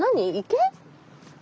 池？